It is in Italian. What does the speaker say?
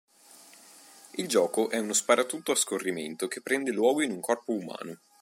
Il gioco è uno sparatutto a scorrimento che prende luogo in un corpo umano.